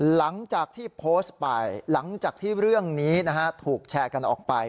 หลังจากที่โพสต์ไปหลังจากที่เรื่องนี้ถูกแชร์กันออกไป